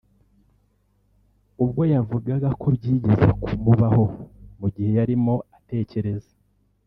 ubwo yavugaga ko byigeze kumubaho mu gihe yarimo atekereza